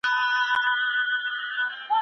تاسو به د خپل ذهن په مټ لوی کارونه سرته رسوئ.